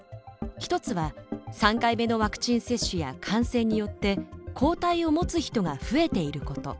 一つは３回目のワクチン接種や感染によって抗体を持つ人が増えていること。